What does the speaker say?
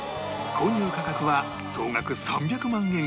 購入価格は総額３００万円超え